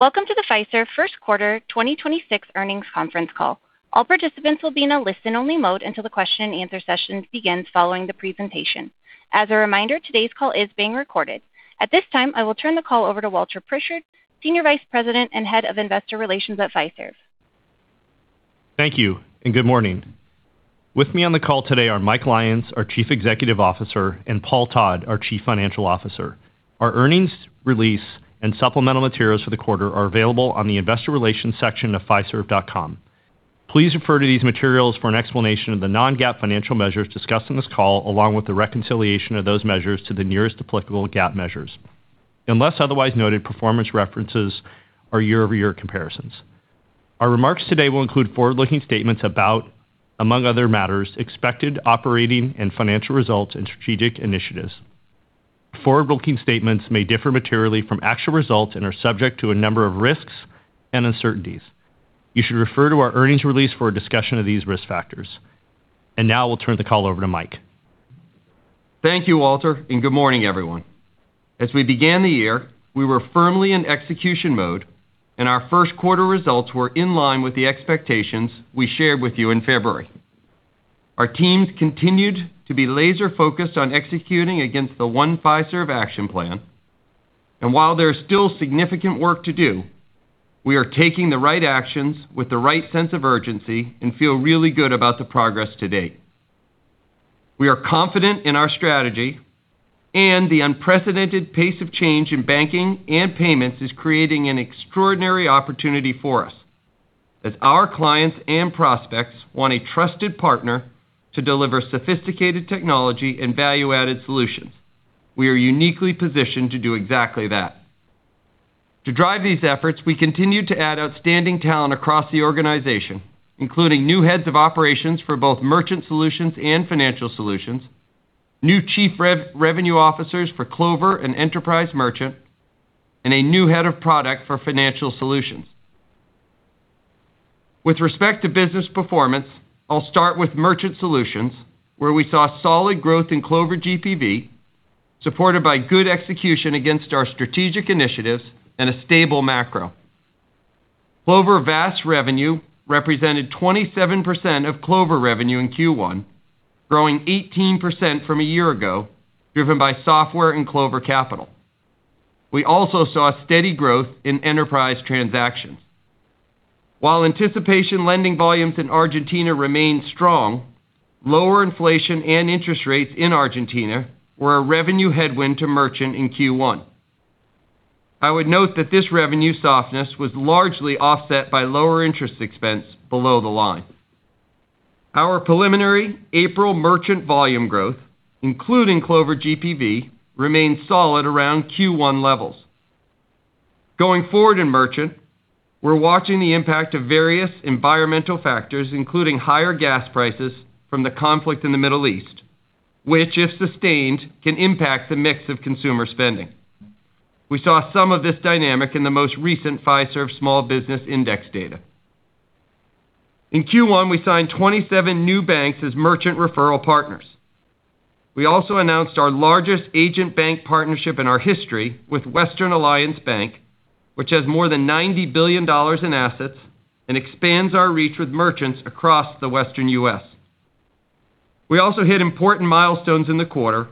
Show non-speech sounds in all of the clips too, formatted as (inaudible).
Welcome to the Fiserv Q1 2026 Earnings Conference Call. All participants will be in a listen-only mode until the question-and-answer session begins following the presentation. As a reminder, today's call is being recorded. At this time, I will turn the call over to Walter Pritchard, Senior Vice President and Head of Investor Relations at Fiserv. Thank you. Good morning. With me on the call today are Mike Lyons, our Chief Executive Officer, and Paul Todd, our Chief Financial Officer. Our earnings release and supplemental materials for the quarter are available on the investor relations section of Fiserv.com. Please refer to these materials for an explanation of the non-GAAP financial measures discussed in this call, along with a reconciliation of those measures to the nearest applicable GAAP measures. Unless otherwise noted, performance references are year-over-year comparisons. Our remarks today will include forward-looking statements about, among other matters, expected operating and financial results and strategic initiatives. Forward-looking statements may differ materially from actual results and are subject to a number of risks and uncertainties. You should refer to our earnings release for a discussion of these risk factors. Now we'll turn the call over to Mike. Thank you, Walter. Good morning, everyone. As we began the year, we were firmly in execution mode. Our Q1 results were in line with the expectations we shared with you in February. Our teams continued to be laser-focused on executing against the One Fiserv action plan. While there is still significant work to do, we are taking the right actions with the right sense of urgency and feel really good about the progress to date. We are confident in our strategy. The unprecedented pace of change in banking and payments is creating an extraordinary opportunity for us. As our clients and prospects want a trusted partner to deliver sophisticated technology and value-added solutions, we are uniquely positioned to do exactly that. To drive these efforts, we continue to add outstanding talent across the organization, including new heads of operations for both Merchant Solutions and Financial Solutions, new chief revenue officers for Clover and Enterprise Merchant, and a new head of product for Financial Solutions. With respect to business performance, I'll start with Merchant Solutions, where we saw solid growth in Clover GPV, supported by good execution against our strategic initiatives and a stable macro. Clover VaaS revenue represented 27% of Clover revenue in Q1, growing 18% from a year ago, driven by software and Clover Capital. We also saw steady growth in enterprise transactions. While anticipation lending volumes in Argentina remained strong, lower inflation and interest rates in Argentina were a revenue headwind to Merchant Solutions in Q1. I would note that this revenue softness was largely offset by lower interest expense below the line. Our preliminary April merchant volume growth, including Clover GPV, remained solid around Q1 levels. Going forward in Merchant, we're watching the impact of various environmental factors, including higher gas prices from the conflict in the Middle East, which, if sustained, can impact the mix of consumer spending. We saw some of this dynamic in the most recent Fiserv Small Business Index data. In Q1, we signed 27 new banks as merchant referral partners. We also announced our largest agent bank partnership in our history with Western Alliance Bank, which has more than $90 billion in assets and expands our reach with merchants across the Western U.S. We also hit important milestones in the quarter,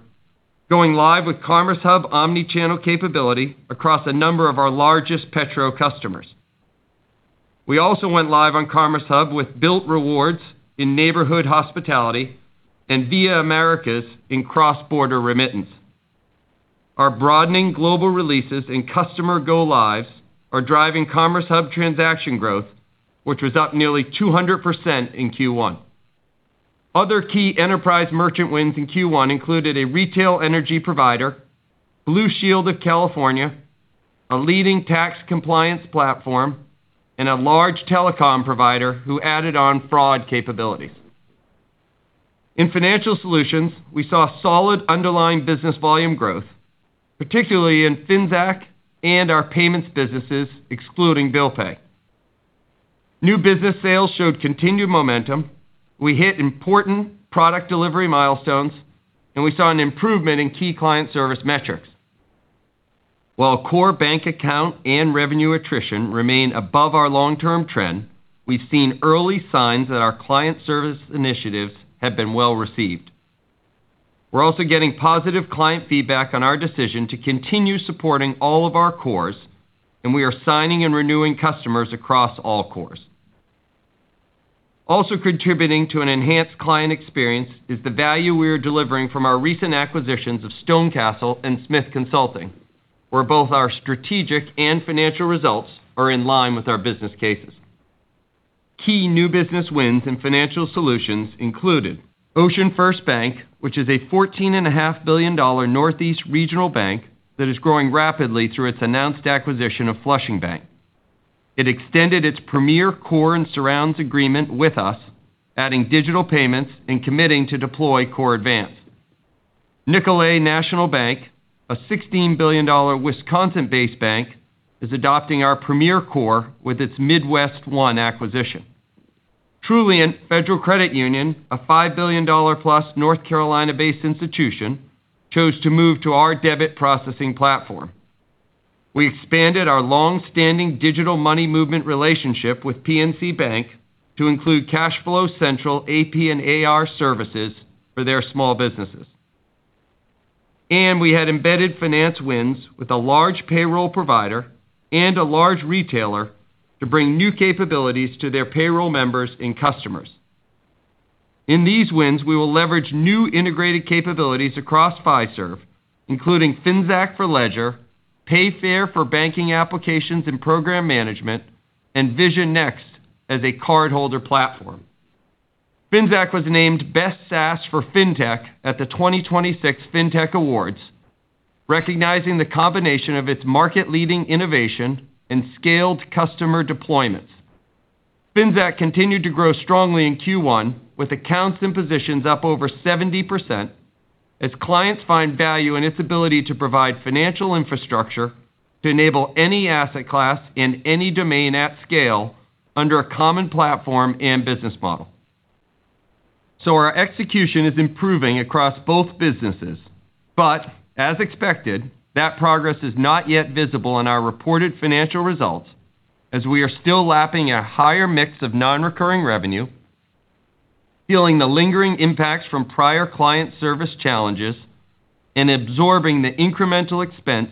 going live with Commerce Hub omnichannel capability across a number of our largest petro customers. We also went live on Commerce Hub with Bilt Rewards in neighborhood hospitality and Viamericas in cross-border remittance. Our broadening global releases and customer go-lives are driving Commerce Hub transaction growth, which was up nearly 200% in Q1. Other key Enterprise Merchant wins in Q1 included a retail energy provider, Blue Shield of California, a leading tax compliance platform, and a large telecom provider who added on fraud capabilities. In Financial Solutions, we saw solid underlying business volume growth, particularly in Finxact and our payments businesses, excluding Bill Pay. New business sales showed continued momentum. We hit important product delivery milestones, and we saw an improvement in key client service metrics. While core bank account and revenue attrition remain above our long-term trend, we've seen early signs that our client service initiatives have been well-received. We're also getting positive client feedback on our decision to continue supporting all of our cores, and we are signing and renewing customers across all cores. Also contributing to an enhanced client experience is the value we are delivering from our recent acquisitions of StoneCastle and Smith Consulting, where both our strategic and financial results are in line with our business cases. Key new business wins in Financial Solutions included OceanFirst Bank, which is a $14.5 billion Northeast regional bank that is growing rapidly through its announced acquisition of Flushing Bank. It extended its Premier core and surrounds agreement with us, adding digital payments and committing to deploy CoreAdvance. Nicolet National Bank, a $16 billion Wisconsin-based bank, is adopting our Premier core with its MidWestOne acquisition. Truliant Federal Credit Union, a $5 billion+ North Carolina-based institution, chose to move to our debit processing platform. We expanded our long-standing digital money movement relationship with PNC Bank to include CashFlow Central AP and AR services for their small businesses. We had embedded finance wins with a large payroll provider and a large retailer to bring new capabilities to their payroll members and customers. In these wins, we will leverage new integrated capabilities across Fiserv, including Finxact for Ledger, Payfare for banking applications and program management, and Vision Next as a cardholder platform. Finxact was named Best SaaS for FinTech at the 2026 FinTech Awards, recognizing the combination of its market-leading innovation and scaled customer deployments. Finxact continued to grow strongly in Q1, with accounts and positions up over 70%, as clients find value in its ability to provide financial infrastructure to enable any asset class in any domain at scale under a common platform and business model. Our execution is improving across both businesses. As expected, that progress is not yet visible in our reported financial results as we are still lapping a higher mix of non-recurring revenue, feeling the lingering impacts from prior client service challenges, and absorbing the incremental expense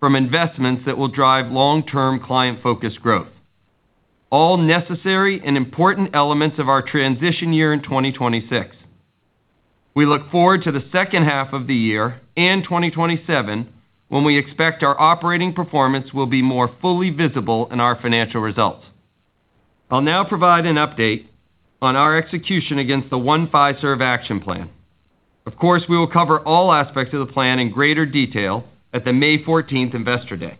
from investments that will drive long-term client-focused growth. All necessary and important elements of our transition year in 2026. We look forward to the second half of the year and 2027 when we expect our operating performance will be more fully visible in our financial results. I'll now provide an update on our execution against the One Fiserv action plan. Of course, we will cover all aspects of the plan in greater detail at the May 14th Investor Day.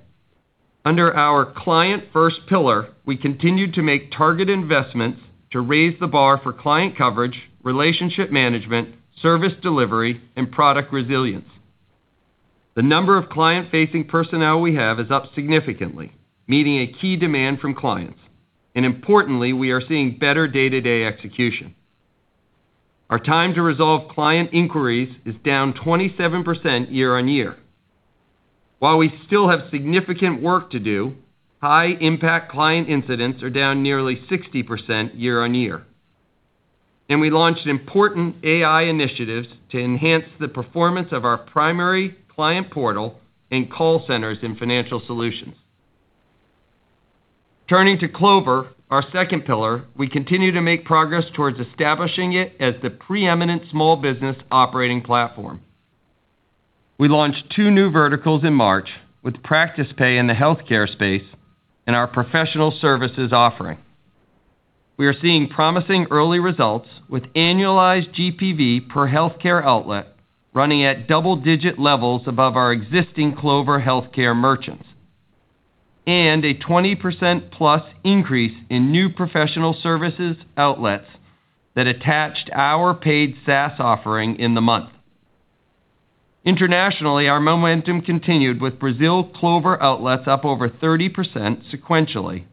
Under our client-first pillar, we continue to make targeted investments to raise the bar for client coverage, relationship management, service delivery, and product resilience. The number of client-facing personnel we have is up significantly, meeting a key demand from clients. Importantly, we are seeing better day-to-day execution. Our time to resolve client inquiries is down 27% year-on-year. While we still have significant work to do, high-impact client incidents are down nearly 60% year-on-year. We launched important AI initiatives to enhance the performance of our primary client portal and call centers in Financial Solutions. Turning to Clover, our second pillar, we continue to make progress towards establishing it as the preeminent small business operating platform. We launched two new verticals in March with PracticePay in the healthcare space and our professional services offering. We are seeing promising early results with annualized GPV per healthcare outlet running at double-digit levels above our existing Clover healthcare merchants and a 20%+ increase in new professional services outlets that attached our paid SaaS offering in the month. Internationally, our momentum continued with Brazil Clover outlets up over 30% sequentially.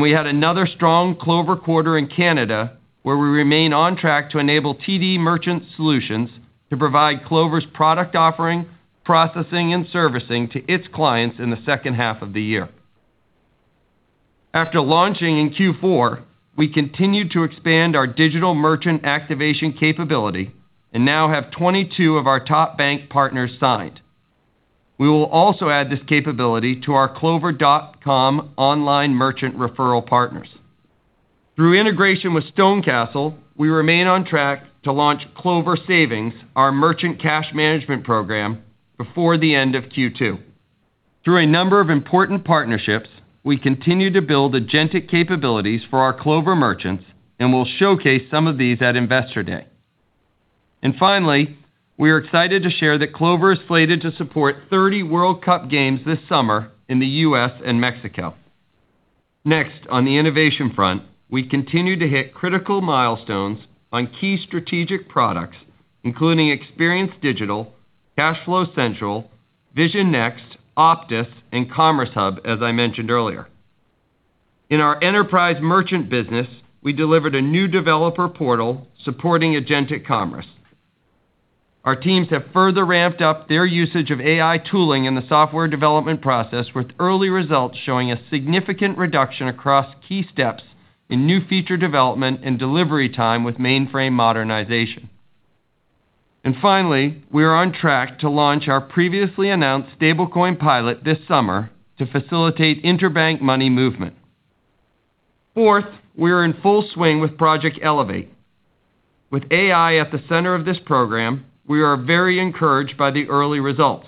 We had another strong Clover quarter in Canada, where we remain on track to enable TD Merchant Solutions to provide Clover's product offering, processing, and servicing to its clients in the second half of the year. After launching in Q4, we continued to expand our digital merchant activation capability and now have 22 of our top bank partners signed. We will also add this capability to our clover.com online merchant referral partners. Through integration with StoneCastle, we remain on track to launch Clover Savings, our merchant cash management program, before the end of Q2. Through a number of important partnerships, we continue to build agentic capabilities for our Clover merchants, and we'll showcase some of these at Investor Day. Finally, we are excited to share that Clover is slated to support 30 World Cup games this summer in the U.S. and Mexico. Next, on the innovation front, we continue to hit critical milestones on key strategic products, including Experience Digital, Cash Flow Central, Vision Next, Optis, and Commerce Hub, as I mentioned earlier. In our Enterprise Merchant business, we delivered a new developer portal supporting agentic commerce. Our teams have further ramped up their usage of AI tooling in the software development process with early results showing a significant reduction across key steps in new feature development and delivery time with mainframe modernization. Finally, we are on track to launch our previously announced stablecoin pilot this summer to facilitate interbank money movement. Fourth, we are in full swing with Project Elevate. With AI at the center of this program, we are very encouraged by the early results.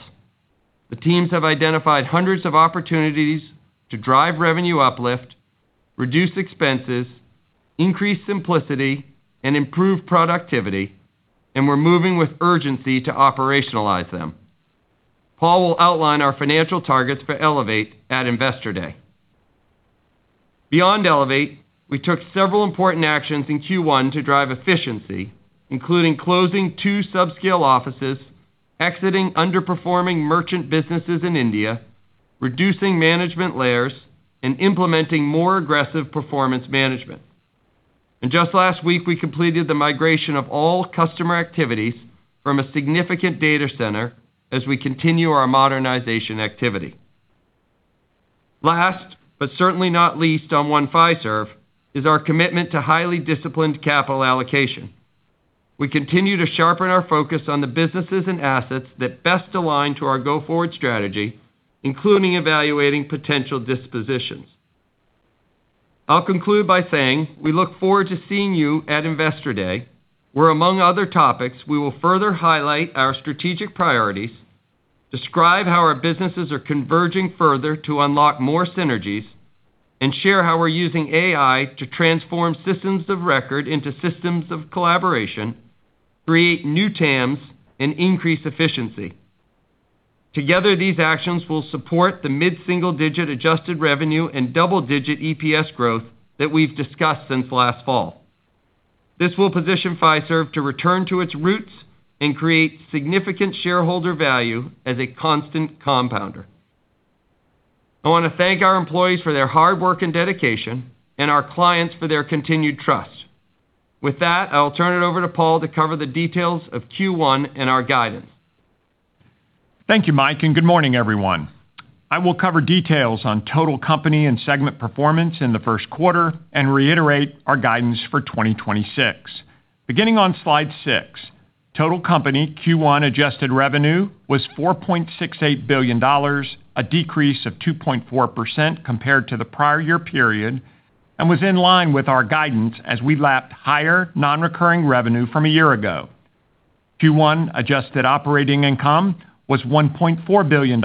The teams have identified hundreds of opportunities to drive revenue uplift, reduce expenses, increase simplicity, and improve productivity, and we're moving with urgency to operationalize them. Paul will outline our financial targets for Elevate at Investor Day. Beyond Elevate, we took several important actions in Q1 to drive efficiency, including closing two subscale offices, exiting underperforming merchant businesses in India, reducing management layers and implementing more aggressive performance management. Just last week, we completed the migration of all customer activities from a significant data center as we continue our modernization activity. Last, but certainly not least on One Fiserv, is our commitment to highly disciplined capital allocation. We continue to sharpen our focus on the businesses and assets that best align to our go-forward strategy, including evaluating potential dispositions. I'll conclude by saying, we look forward to seeing you at Investor Day, where among other topics, we will further highlight our strategic priorities, describe how our businesses are converging further to unlock more synergies, and share how we're using AI to transform systems of record into systems of collaboration, create new TAMs, and increase efficiency. Together, these actions will support the mid-single-digit adjusted revenue and double-digit EPS growth that we've discussed since last fall. This will position Fiserv to return to its roots and create significant shareholder value as a constant compounder. I want to thank our employees for their hard work and dedication, and our clients for their continued trust. With that, I'll turn it over to Paul to cover the details of Q1 and our guidance. Thank you, Mike. Good morning, everyone. I will cover details on total company and segment performance in the Q1 and reiterate our guidance for 2026. Beginning on slide 6, total company Q1 adjusted revenue was $4.68 billion, a decrease of 2.4% compared to the prior year period, and was in line with our guidance as we lapped higher non-recurring revenue from a year ago. Q1 adjusted operating income was $1.4 billion,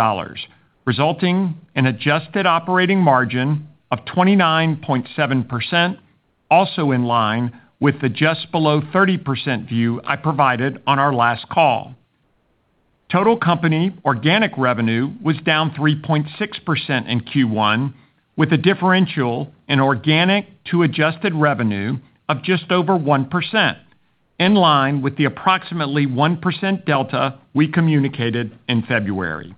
resulting in adjusted operating margin of 29.7%, also in line with the just below 30% view I provided on our last call. Total company organic revenue was down 3.6% in Q1, with a differential in organic to adjusted revenue of just over 1%, in line with the approximately 1% delta we communicated in February.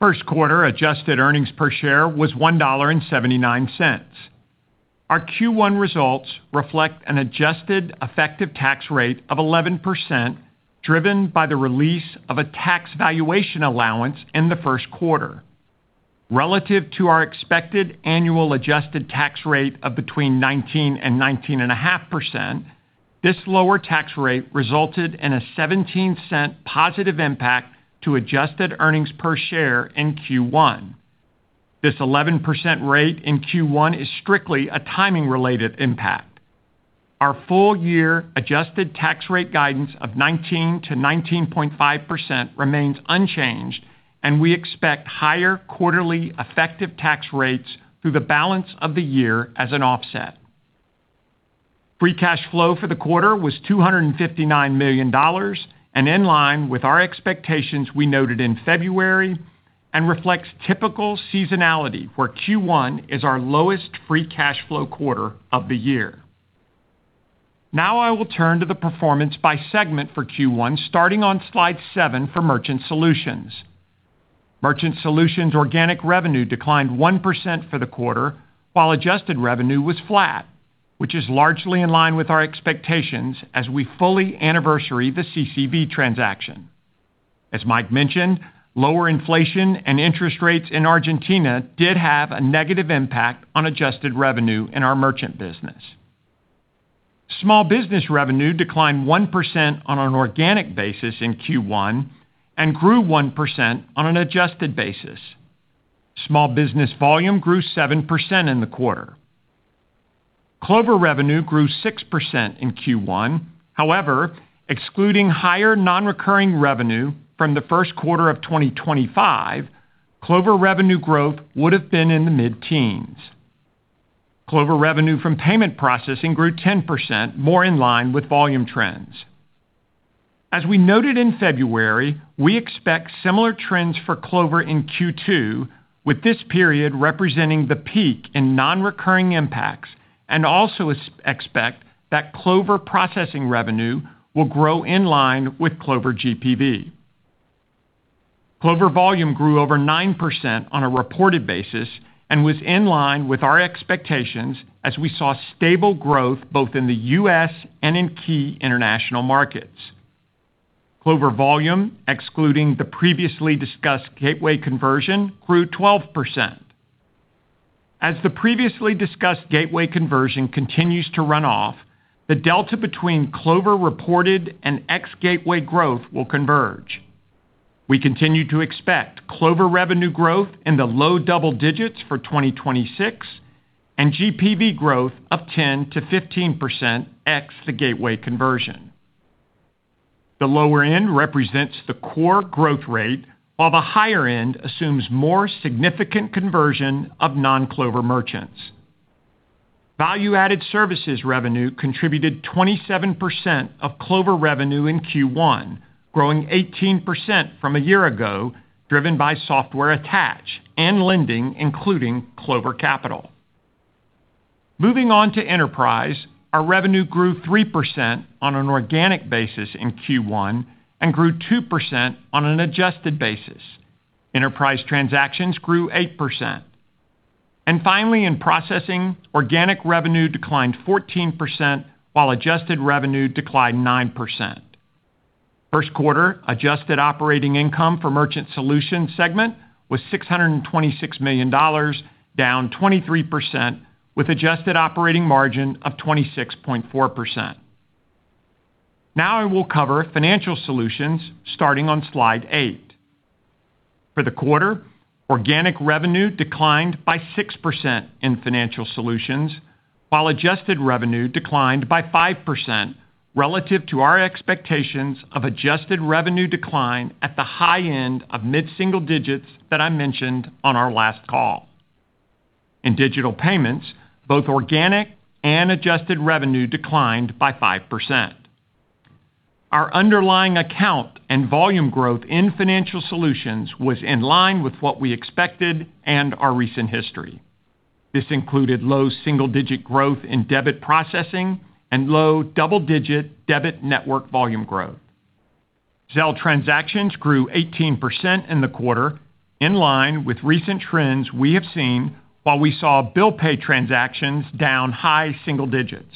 Q1 adjusted earnings per share was $1.79. Our Q1 results reflect an adjusted effective tax rate of 11%, driven by the release of a tax valuation allowance in the Q1. Relative to our expected annual adjusted tax rate of between 19% and 19.5%, this lower tax rate resulted in a $0.17 positive impact to adjusted earnings per share in Q1. This 11% rate in Q1 is strictly a timing-related impact. Our full-year adjusted tax rate guidance of 19%-19.5% remains unchanged, and we expect higher quarterly effective tax rates through the balance of the year as an offset. Free cash flow for the quarter was $259 million and in line with our expectations we noted in February and reflects typical seasonality where Q1 is our lowest free cash flow quarter of the year. Now I will turn to the performance by segment for Q1, starting on slide 7 for Merchant Solutions. Merchant Solutions organic revenue declined 1% for the quarter, while adjusted revenue was flat, which is largely in line with our expectations as we fully anniversary the CCB transaction. As Mike mentioned, lower inflation and interest rates in Argentina did have a negative impact on adjusted revenue in our merchant business. Small business revenue declined 1% on an organic basis in Q1 and grew 1% on an adjusted basis. Small business volume grew 7% in the quarter. Clover revenue grew 6% in Q1. Excluding higher non-recurring revenue from the Q1 of 2025, Clover revenue growth would have been in the mid-teens. Clover revenue from payment processing grew 10% more in line with volume trends. As we noted in February, we expect similar trends for Clover in Q2, with this period representing the peak in non-recurring impacts, and also expect that Clover processing revenue will grow in line with Clover GPV. Clover volume grew over 9% on a reported basis and was in line with our expectations as we saw stable growth both in the U.S. and in key international markets. Clover volume, excluding the previously discussed gateway conversion, grew 12%. The previously discussed gateway conversion continues to run off, the delta between Clover reported and ex-gateway growth will converge. We continue to expect Clover revenue growth in the low double digits for 2026 and GPV growth of 10%-15% ex the gateway conversion. The lower end represents the core growth rate, while the higher end assumes more significant conversion of non-Clover merchants. Value-Added Services revenue contributed 27% of Clover revenue in Q1, growing 18% from a year ago, driven by software attach and lending, including Clover Capital. Moving on to Enterprise, our revenue grew 3% on an organic basis in Q1 and grew 2% on an adjusted basis. Enterprise transactions grew 8%. Finally, in processing, organic revenue declined 14%, while adjusted revenue declined 9%. Q1 adjusted operating income for Merchant Solutions segment was $626 million, down 23%, with adjusted operating margin of 26.4%. Now I will cover Financial Solutions starting on slide 8. For the quarter, organic revenue declined by 6% in Financial Solutions, while adjusted revenue declined by 5% relative to our expectations of adjusted revenue decline at the high end of mid-single digits that I mentioned on our last call. In digital payments, both organic and adjusted revenue declined by 5%. Our underlying account and volume growth in Financial Solutions was in line with what we expected and our recent history. This included low single-digit growth in debit processing and low double-digit debit network volume growth. Zelle transactions grew 18% in the quarter, in line with recent trends we have seen, while we saw Bill Pay transactions down high single-digits.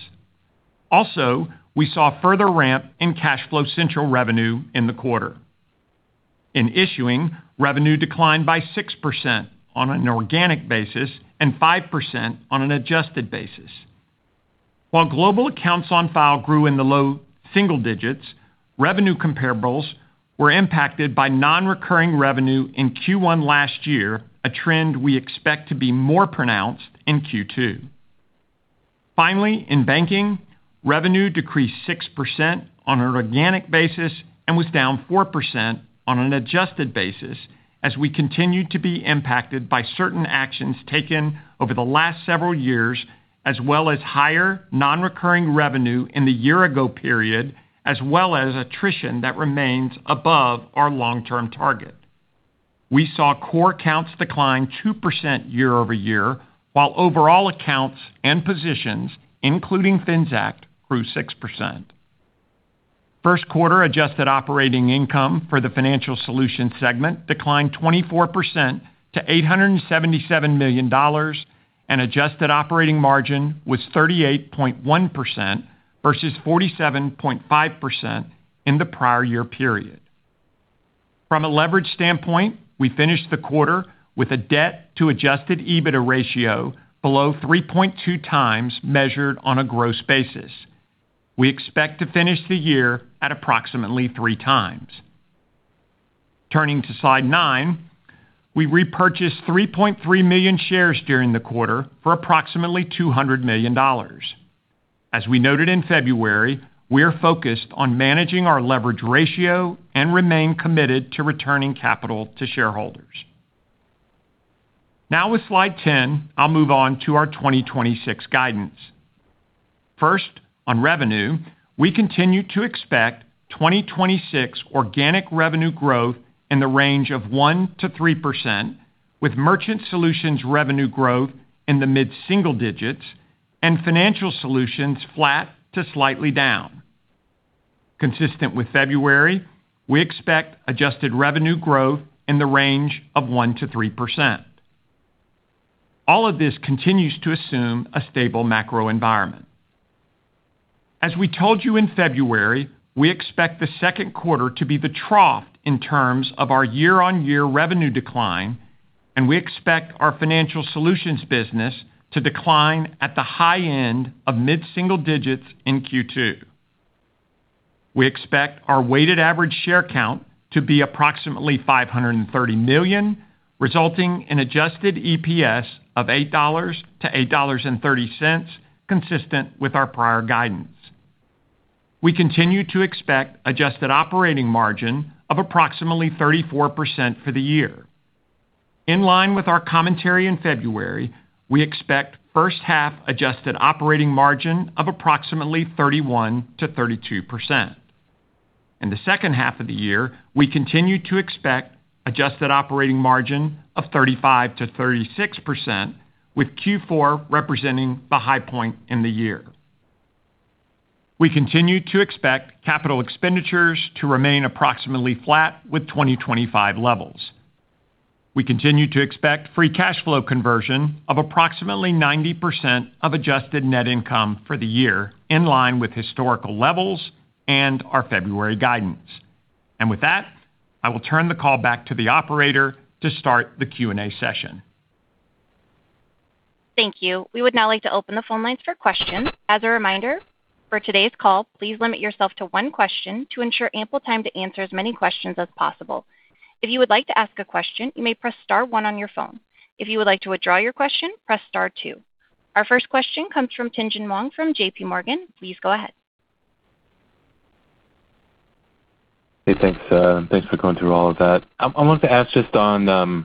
Also, we saw further ramp in CashFlow Central revenue in the quarter. In issuing, revenue declined by 6% on an organic basis and 5% on an adjusted basis. While global accounts on file grew in the low single-digits, revenue comparables were impacted by non-recurring revenue in Q1 last year, a trend we expect to be more pronounced in Q2. Finally, in banking, revenue decreased 6% on an organic basis and was down 4% on an adjusted basis as we continued to be impacted by certain actions taken over the last several years, as well as higher non-recurring revenue in the year-ago period, as well as attrition that remains above our long-term target. We saw core accounts decline 2% year-over-year, while overall accounts and positions, including Finxact, grew 6%. Q1 adjusted operating income for the Financial Solutions segment declined 24% to $877 million, and adjusted operating margin was 38.1% versus 47.5% in the prior year period. From a leverage standpoint, we finished the quarter with a debt to adjusted EBITDA ratio below 3.2x measured on a gross basis. We expect to finish the year at approximately three times. Turning to slide 9, we repurchased 3.3 million shares during the quarter for approximately $200 million. As we noted in February, we are focused on managing our leverage ratio and remain committed to returning capital to shareholders. Now with slide 10, I'll move on to our 2026 guidance. First, on revenue, we continue to expect 2026 organic revenue growth in the range of 1%-3%, with Merchant Solutions revenue growth in the mid-single digits and Financial Solutions flat to slightly down. Consistent with February, we expect adjusted revenue growth in the range of 1%-3%. All of this continues to assume a stable macro environment. As we told you in February, we expect the Q2 to be the trough in terms of our year-on-year revenue decline, and we expect our Financial Solutions business to decline at the high end of mid-single digits in Q2. We expect our weighted average share count to be approximately 530 million, resulting in adjusted EPS of $8.00-$8.30, consistent with our prior guidance. We continue to expect adjusted operating margin of approximately 34% for the year. In line with our commentary in February, we expect first half adjusted operating margin of approximately 31%-32%. In the second half of the year, we continue to expect adjusted operating margin of 35%-36%, with Q4 representing the high point in the year. We continue to expect capital expenditures to remain approximately flat with 2025 levels. We continue to expect free cash flow conversion of approximately 90% of adjusted net income for the year, in line with historical levels and our February guidance. With that, I will turn the call back to the operator to start the Q&A session. Thank you. We would now like to open the phone lines for questions. As a reminder, for today's call, please limit yourself to one question to ensure ample time to answer as many questions as possible. If you would like to ask a question, you may press star one on your phone. If you would like to withdraw your question, press star two. Our first question comes from Tien-Tsin Huang from JPMorgan. Please go ahead. Hey, thanks. Thanks for going through all of that. I wanted to ask just on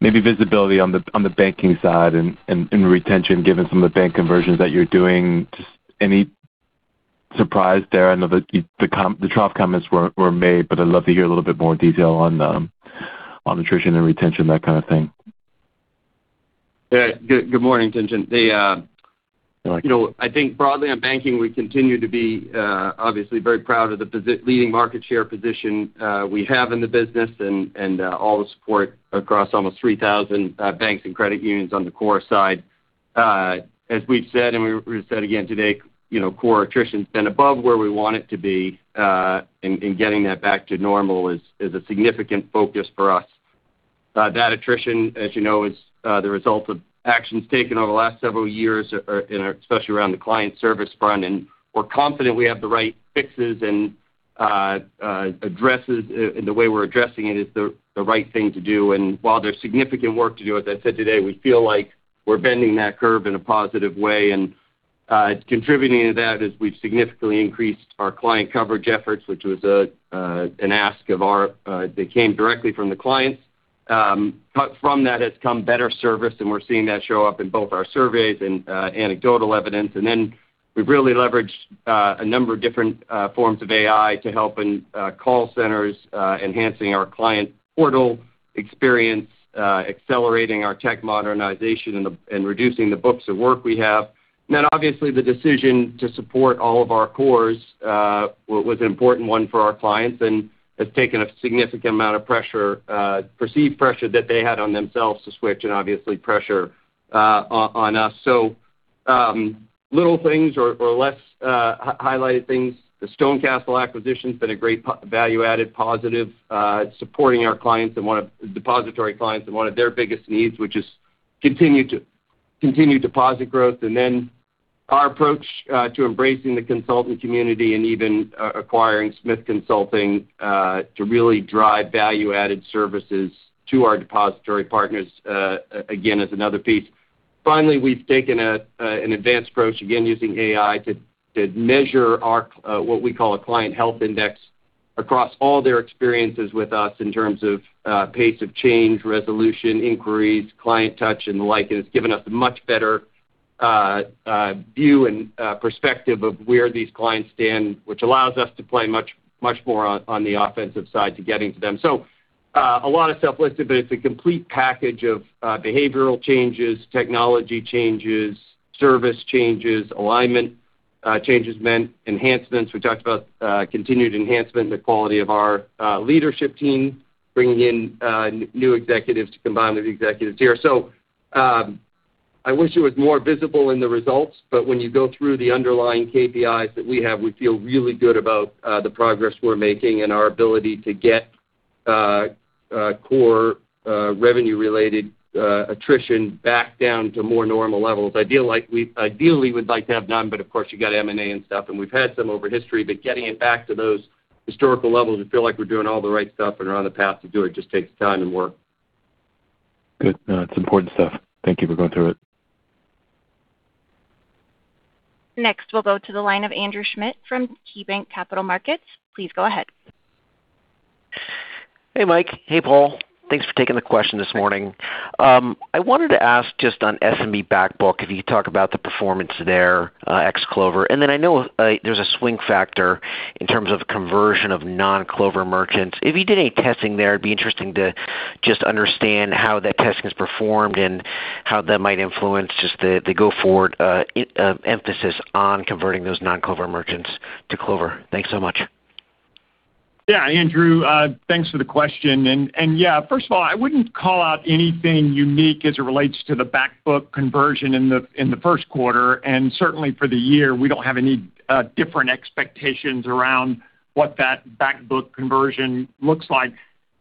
maybe visibility on the banking side and retention, given some of the bank conversions that you're doing. Surprise there. I know the trough comments were made, I'd love to hear a little bit more detail on attrition and retention, that kind of thing. Yeah. Good morning, Tien-Tsin. You know, I think broadly on banking, we continue to be, obviously very proud of the leading market share position, we have in the business and all the support across almost 3,000 banks and credit unions on the core side. As we've said, and we said again today, you know, core attrition's been above where we want it to be, and getting that back to normal is a significant focus for us. That attrition, as you know, is the result of actions taken over the last several years, and especially around the client service front. And we're confident we have the right fixes and addresses, and the way we're addressing it is the right thing to do. While there's significant work to do, as I said today, we feel like we're bending that curve in a positive way. Contributing to that is we've significantly increased our client coverage efforts, which was an ask of our that came directly from the clients. From that has come better service, and we're seeing that show up in both our surveys and anecdotal evidence. We've really leveraged a number of different forms of AI to help in call centers, enhancing our client portal experience, accelerating our tech modernization and reducing the books of work we have. Obviously the decision to support all of our cores, was an important one for our clients and has taken a significant amount of pressure, perceived pressure that they had on themselves to switch and obviously pressure on us. Little things or less highlighted things. The StoneCastle acquisition's been a great value-added positive, supporting our clients and one of the depository clients and one of their biggest needs, which is continue deposit growth. Our approach to embracing the consultant community and even acquiring Smith Consulting to really drive value-added services to our depository partners, again, is another piece. Finally, we've taken an advanced approach, again, using AI to measure our what we call a client health index across all their experiences with us in terms of pace of change, resolution, inquiries, client touch and the like. It's given us a much better view and perspective of where these clients stand, which allows us to play much more on the offensive side to getting to them. A lot of stuff listed, but it's a complete package of behavioral changes, technology changes, service changes, alignment changes, enhancements. We talked about continued enhancement in the quality of our leadership team, bringing in new executives to combine with executives here. I wish it was more visible in the results, but when you go through the underlying KPIs that we have, we feel really good about the progress we're making and our ability to get core revenue-related attrition back down to more normal levels. Ideally would like to have none, but of course you got M&A and stuff, and we've had some over history. Getting it back to those historical levels, we feel like we're doing all the right stuff and are on the path to do it, just takes time and work. Good. No, it's important stuff. Thank you for going through it. Next, we'll go to the line of Andrew Schmidt from KeyBanc Capital Markets. Please go ahead. Hey, Mike. Hey, Paul. Thanks for taking the question this morning. I wanted to ask just on SMB back book, if you could talk about the performance there, ex Clover. I know there's a swing factor in terms of conversion of non-Clover merchants. If you did any testing there, it'd be interesting to just understand how that testing has performed and how that might influence just the go-forward emphasis on converting those non-Clover merchants to Clover. Thanks so much. Andrew, thanks for the question. First of all, I wouldn't call out anything unique as it relates to the back book conversion in the Q1. Certainly for the year, we don't have any different expectations around what that back book conversion looks like.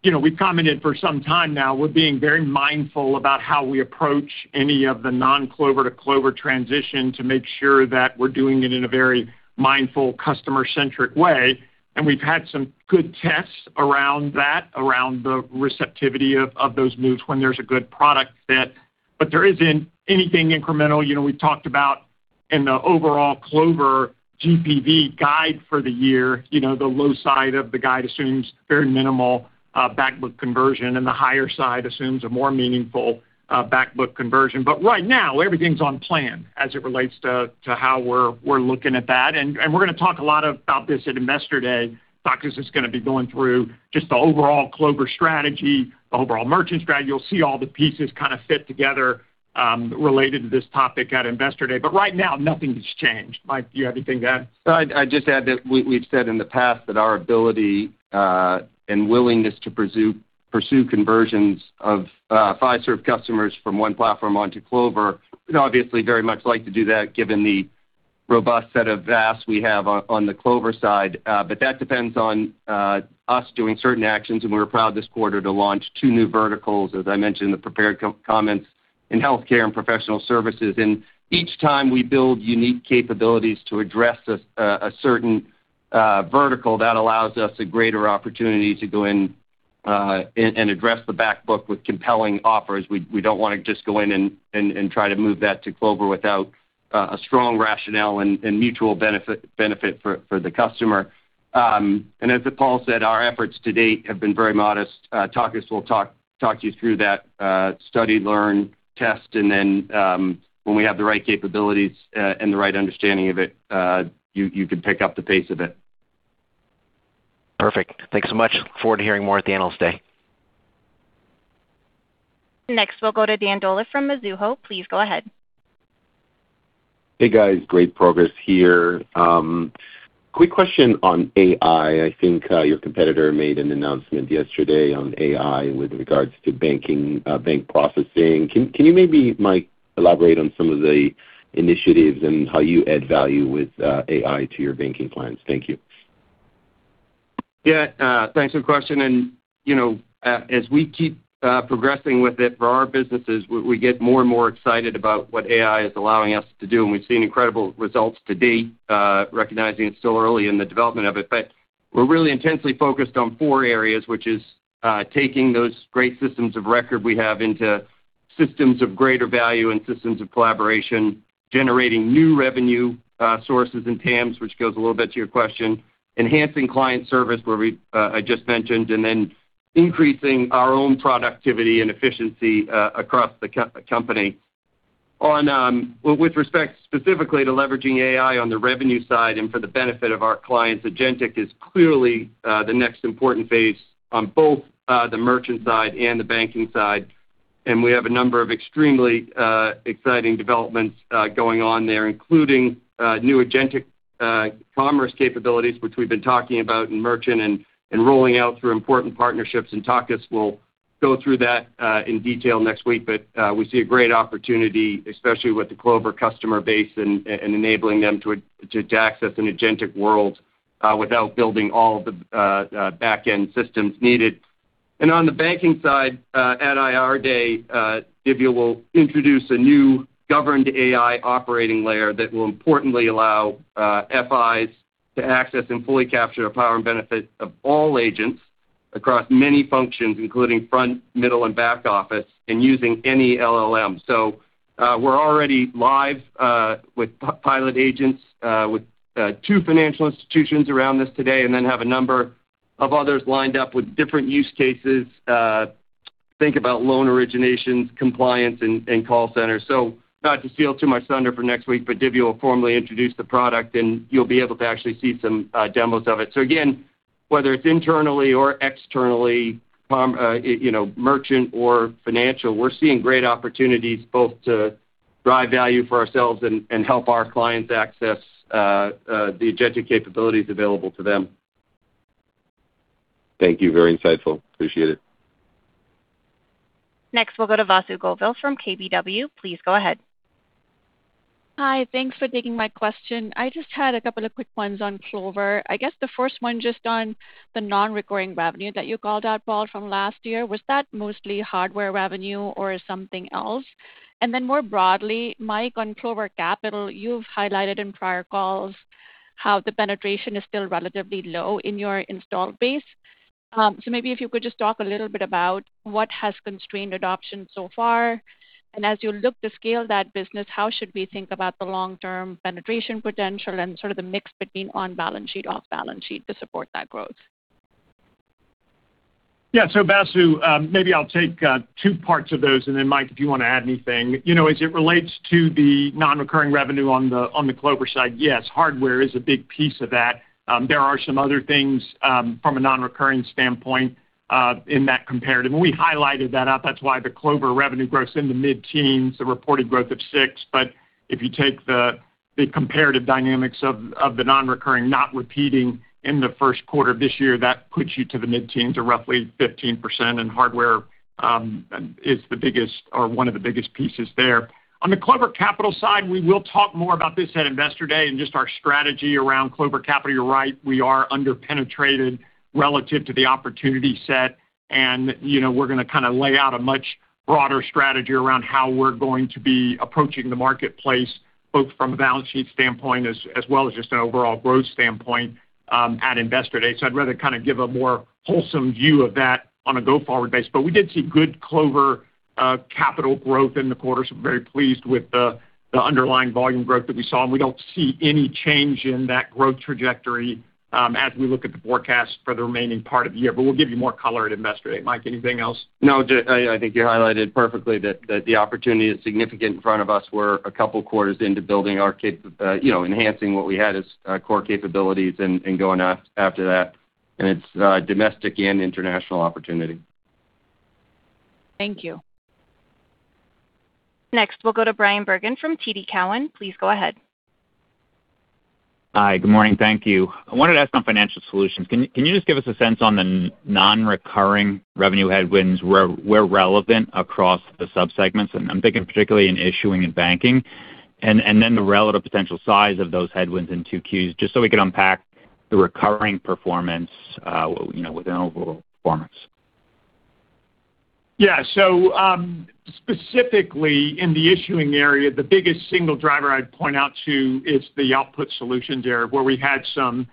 You know, we've commented for some time now, we're being very mindful about how we approach any of the non-Clover to Clover transition to make sure that we're doing it in a very mindful, customer-centric way. We've had some good tests around that, around the receptivity of those moves when there's a good product fit. There isn't anything incremental. You know, we've talked about in the overall Clover GPV guide for the year, you know, the low side of the guide assumes very minimal back book conversion, and the higher side assumes a more meaningful back book conversion. Right now, everything's on plan as it relates to how we're looking at that. We're going to talk a lot about this at Investor Day. Takis is going to be going through just the overall Clover strategy, the overall merchant strategy. You'll see all the pieces kind of fit together related to this topic at Investor Day. Right now, nothing's changed. Mike, do you have anything to add? I'd just add that we've said in the past that our ability and willingness to pursue conversions of Fiserv customers from one platform onto Clover, we'd obviously very much like to do that given the robust set of VaaS we have on the Clover side. That depends on us doing certain actions, and we're proud this quarter to launch two new verticals, as I mentioned in the prepared comments, in healthcare and professional services. Each time we build unique capabilities to address a certain vertical, that allows us a greater opportunity to go in and address the back book with compelling offers. We don't wanna just go in and try to move that to Clover without a strong rationale and mutual benefit for the customer. As Paul said, our efforts to date have been very modest. Takis will talk you through that, study, learn, test, and then when we have the right capabilities and the right understanding of it, you can pick up the pace a bit. Perfect. Thanks so much. Look forward to hearing more at the Investor Day. Next, we'll go to Dan Dolev from Mizuho. Please go ahead. Hey, guys. Great progress here. Quick question on AI. I think your competitor made an announcement yesterday on AI with regards to banking, bank processing. Can you maybe, Mike, elaborate on some of the initiatives and how you add value with AI to your banking plans? Thank you. Thanks for the question. You know, as we keep progressing with it for our businesses, we get more and more excited about what AI is allowing us to do, and we've seen incredible results to date, recognizing it's still early in the development of it. We're really intensely focused on four areas, which is taking those great systems of record we have into systems of greater value and systems of collaboration, generating new revenue sources and TAMs, which goes a little bit to your question, enhancing client service where we I just mentioned, and then increasing our own productivity and efficiency across the company. On, with respect specifically to leveraging AI on the revenue side and for the benefit of our clients, agentic is clearly the next important phase on both the merchant side and the banking side. We have a number of extremely exciting developments going on there, including new agentic commerce capabilities, which we've been talking about in merchant and rolling out through important partnerships. Takis will go through that in detail next week. We see a great opportunity, especially with the Clover customer base and enabling them to access an agentic world without building all the backend systems needed. On the banking side, at IR Day, Divya will introduce a new governed AI operating layer that will importantly allow FIs to access and fully capture the power and benefit of all agents across many functions, including front, middle, and back office and using any LLM. We're already live with pilot agents with two financial institutions around this today, and then have a number of others lined up with different use cases. Think about loan originations, compliance, and call centers. Not to steal too much thunder for next week, but Divya will formally introduce the product, and you'll be able to actually see some demos of it. Again, whether it's internally or externally, merchant or financial, we're seeing great opportunities both to drive value for ourselves and help our clients access the agentic capabilities available to them. Thank you. Very insightful. Appreciate it. Next, we'll go to Vasu Govil from KBW. Please go ahead. Hi. Thanks for taking my question. I just had a couple of quick ones on Clover. I guess the first one just on the non-recurring revenue that you called out, Paul, from last year. Was that mostly hardware revenue or something else? Then more broadly, Mike, on Clover Capital, you've highlighted in prior calls how the penetration is still relatively low in your installed base. So maybe if you could just talk a little bit about what has constrained adoption so far. As you look to scale that business, how should we think about the long-term penetration potential and sort of the mix between on balance sheet, off balance sheet to support that growth? Yeah. Vasu, maybe I'll take two parts of those, and then Mike, if you wanna add anything. You know, as it relates to the non-recurring revenue on the, on the Clover side, yes, hardware is a big piece of that. There are some other things from a non-recurring standpoint in that comparative. We highlighted that up. That's why the Clover revenue growth in the mid-teens, the reported growth of 6%. If you take the comparative dynamics of the non-recurring not repeating in the Q1 of this year, that puts you to the mid-teens or roughly 15%, and hardware is the biggest or one of the biggest pieces there. On the Clover Capital side, we will talk more about this at Investor Day and just our strategy around Clover Capital. You're right, we are under-penetrated relative to the opportunity set, you know, we're gonna kinda lay out a much broader strategy around how we're going to be approaching the marketplace, both from a balance sheet standpoint as well as just an overall growth standpoint at Investor Day. I'd rather kinda give a more wholesome view of that on a go-forward base. We did see good Clover Capital growth in the quarter, so we're very pleased with the underlying volume growth that we saw, and we don't see any change in that growth trajectory as we look at the forecast for the remaining part of the year. We'll give you more color at Investor Day. Mike, anything else? No, I think you highlighted perfectly that the opportunity is significant in front of us. We're a couple quarters into enhancing what we had as core capabilities and going after that, and it's domestic and international opportunity. Thank you. Next, we'll go to Bryan Bergin from TD Cowen. Please go ahead. Hi. Good morning. Thank you. I wanted to ask on Financial Solutions. Can you just give us a sense on the non-recurring revenue headwinds where relevant across the sub-segments? I'm thinking particularly in issuing and banking. Then the relative potential size of those headwinds in 2Q, just so we can unpack the recurring performance, you know, within overall performance. Specifically in the issuing area, the biggest single driver I'd point out to is the Output Solutions area where we had some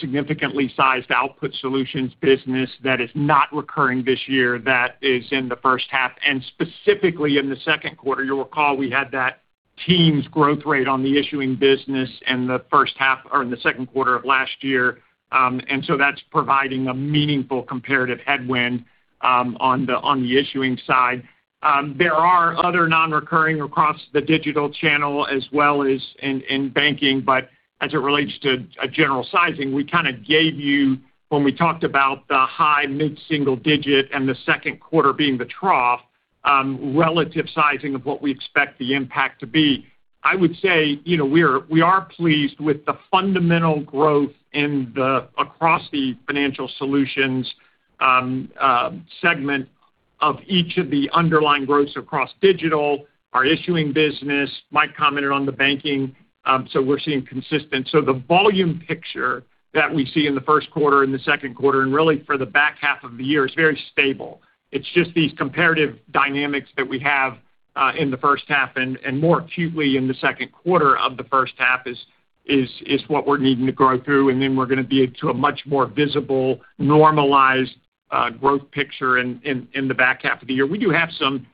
significantly sized Output Solutions business that is not recurring this year that is in the first half. Specifically in the Q2, you'll recall we had that teens growth rate on the issuing business in the first half or in the Q2 of last year. That's providing a meaningful comparative headwind on the issuing side. There are other non-recurring across the digital channel as well as in banking. As it relates to a general sizing, we kinda gave you when we talked about the high mid-single digit and the Q2 being the trough. Relative sizing of what we expect the impact to be. I would say, you know, we are pleased with the fundamental growth across the Financial Solutions segment of each of the underlying growths across digital, our issuing business. Mike commented on the banking, we're seeing consistent. The volume picture that we see in the Q1 and the Q2 and really for the back half of the year is very stable. It's just these comparative dynamics that we have in the first half and more acutely in the Q2 of the first half is what we're needing to grow through, and then we're gonna be to a much more visible, normalized growth picture in the back half of the year. We do have some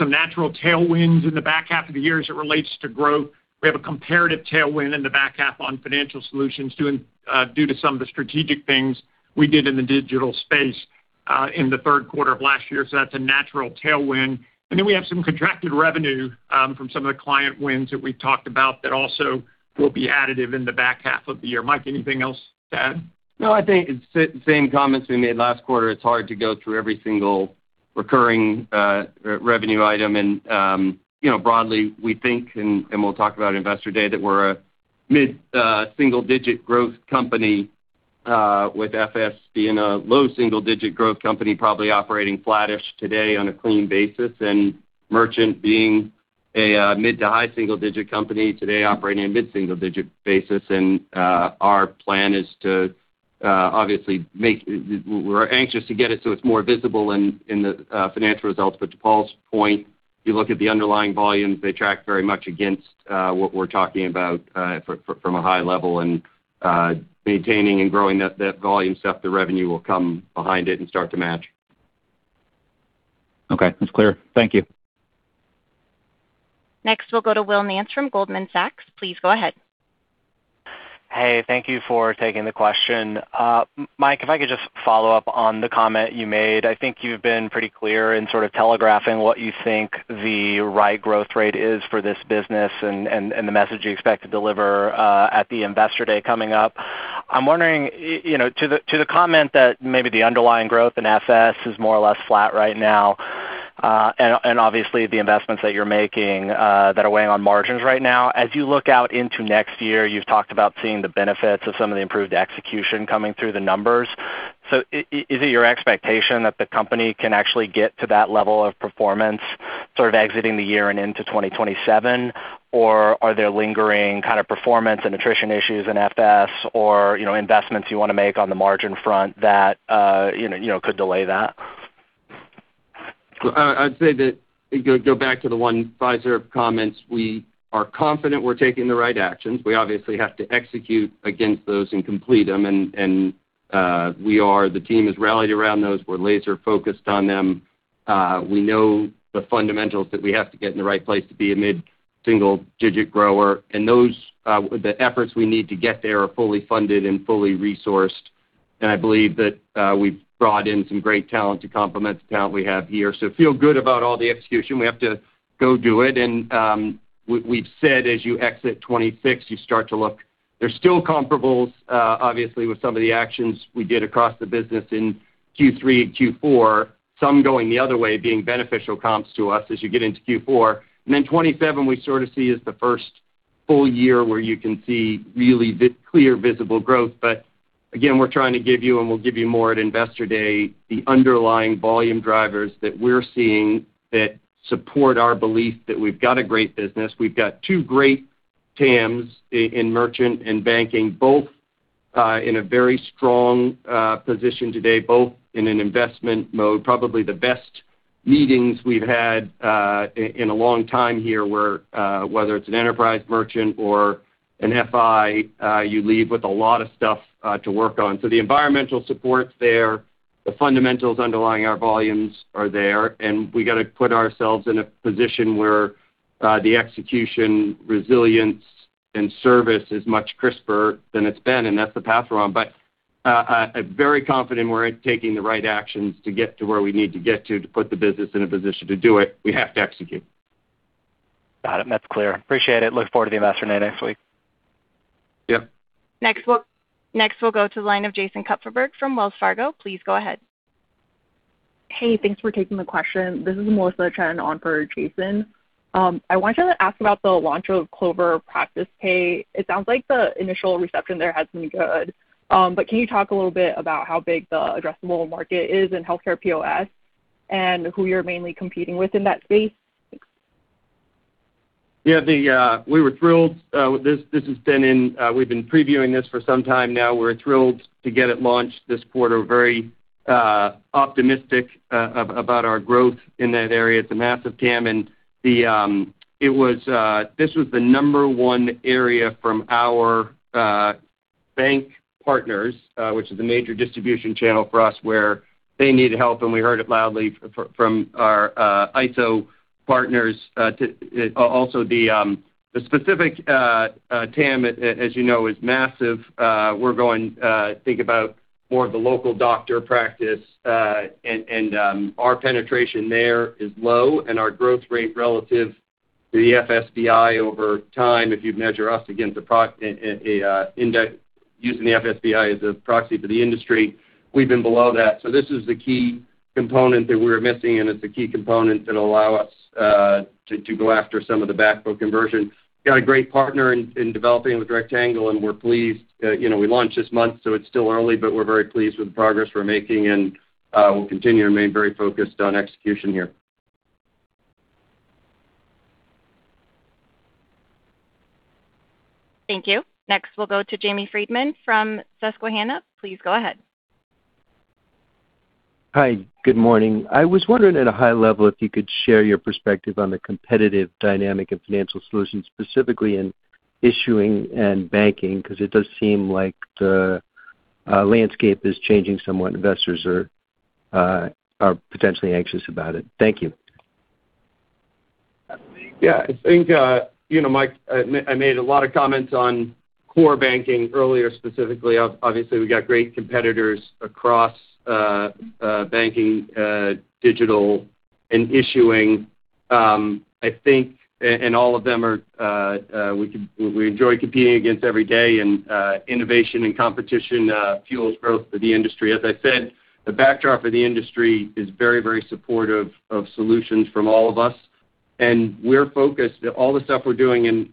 natural tailwinds in the back half of the year as it relates to growth. We have a comparative tailwind in the back half on Financial Solutions due to some of the strategic things we did in the digital space in the Q3 of last year. That's a natural tailwind. We have some contracted revenue from some of the client wins that we've talked about that also will be additive in the back half of the year. Mike, anything else to add? No, I think it's the same comments we made last quarter. It's hard to go through every single recurring, re-revenue item. You know, broadly, we think, and we'll talk about Investor Day, that we're a mid-single-digit growth company with FS being a low-single-digit growth company, probably operating flattish today on a clean basis, and merchant being a mid-to-high single-digit company today operating a mid-single-digit basis. Our plan is to obviously make-- We're anxious to get it so it's more visible in the financial results. To Paul's point, you look at the underlying volumes, they track very much against what we're talking about from a high level. Maintaining and growing that volume stuff, the revenue will come behind it and start to match. Okay. That's clear. Thank you. Next, we'll go to Will Nance from Goldman Sachs. Please go ahead. Hey, thank you for taking the question. Mike, if I could just follow up on the comment you made. I think you've been pretty clear in sort of telegraphing what you think the right growth rate is for this business and, and the message you expect to deliver, at the Investor Day coming up. I'm wondering, y-you know, to the, to the comment that maybe the underlying growth in FS is more or less flat right now, and obviously the investments that you're making, that are weighing on margins right now. As you look out into next year, you've talked about seeing the benefits of some of the improved execution coming through the numbers. Is it your expectation that the company can actually get to that level of performance sort of exiting the year and into 2027? Are there lingering kind of performance and attrition issues in FS or, you know, investments you wanna make on the margin front that, you know, could delay that? I'd say that, go back to the One Fiserv comments. We are confident we're taking the right actions. We obviously have to execute against those and complete them. The team has rallied around those. We're laser-focused on them. We know the fundamentals that we have to get in the right place to be a mid-single-digit grower. The efforts we need to get there are fully funded and fully resourced. I believe that we've brought in some great talent to complement the talent we have here. Feel good about all the execution. We have to go do it. We've said as you exit 2026, you start to look. There's still comparables, obviously, with some of the actions we did across the business in Q3 and Q4, some going the other way being beneficial comps to us as you get into Q4. 2027, we sort of see as the first full year where you can see really clear visible growth. Again, we're trying to give you, and we'll give you more at Investor Day, the underlying volume drivers that we're seeing that support our belief that we've got a great business. We've got two great TAMs in merchant and banking, both in a very strong position today, both in an investment mode. Probably the best meetings we've had in a long time here where, whether it's an Enterprise Merchant or an FI, you leave with a lot of stuff to work on. The environmental support's there, the fundamentals underlying our volumes are there, and we got to put ourselves in a position where the execution, resilience, and service is much crisper than it's been, and that's the path we're on. Very confident we're taking the right actions to get to where we need to get to to put the business in a position to do it. We have to execute. Got it. That's clear. Appreciate it. Look forward to the Investor Day next week. Yeah. Next, we'll go to the line of Jason Kupferberg from Wells Fargo. Please go ahead. Hey, thanks for taking the question. This is Melissa Chen on for Jason. I wanted to ask about the launch of Clover PracticePay. It sounds like the initial reception there has been good. Can you talk a little bit about how big the addressable market is in healthcare POS and who you're mainly competing with in that space? Thanks. Yeah, we were thrilled. We've been previewing this for some time now. We're thrilled to get it launched this quarter. Very optimistic about our growth in that area. It's a massive TAM. This was the number one area from our bank partners, which is a major distribution channel for us where they need help, and we heard it loudly from our ISO partners. The specific TAM, as you know, is massive. Think about more of the local doctor practice. Our penetration there is low and our growth rate relative The FSBI over time, if you measure us against a index using the FSBI as a proxy to the industry, we've been below that. This is the key component that we're missing, and it's a key component that'll allow us to go after some of the back book conversion. Got a great partner in developing with Rectangle, and we're pleased. You know, we launched this month, so it's still early, but we're very pleased with the progress we're making, and we'll continue to remain very focused on execution here. Thank you. Next, we'll go to James Friedman from Susquehanna. Please go ahead. Hi, good morning. I was wondering at a high level if you could share your perspective on the competitive dynamic of Financial Solutions, specifically in issuing and banking, because it does seem like the landscape is changing somewhat. Investors are potentially anxious about it. Thank you. I think, you know, Mike, I made a lot of comments on core banking earlier specifically. Obviously, we got great competitors across banking, digital and issuing. I think and all of them are, we enjoy competing against every day, innovation and competition fuels growth for the industry. As I said, the backdrop for the industry is very supportive of solutions from all of us, we're focused. All the stuff we're doing in